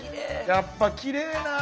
やっぱきれいなあ。